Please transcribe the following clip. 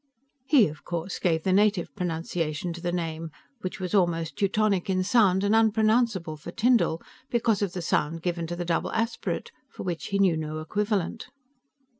He, of course, gave the native pronunciation to the name which was almost Teutonic in sound and unpronounceable for Tyndall because of the sound given to the double aspirate, for which he knew no equivalent.